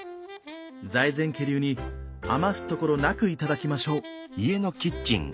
財前家流に余すところなく頂きましょう。